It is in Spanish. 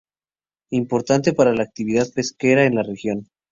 Importante para la actividad pesquera en la región.